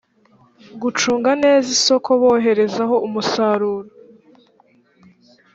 gucunga neza isoko boherezaho umusaruro